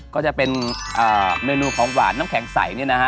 ก็จะเป็นเมนูของหวานน้ำแข็งใสเนี่ยนะฮะ